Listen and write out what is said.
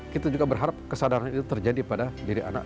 kita juga berharap kesadaran itu terjadi pada diri anak